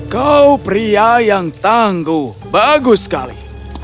kau pria yang tangguh bagus sekali